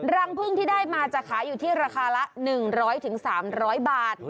รังพึ่งที่ได้มาจะขายอยู่ที่ราคาละ๑๐๐๓๐๐บาท